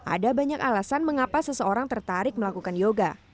ada banyak alasan mengapa seseorang tertarik melakukan yoga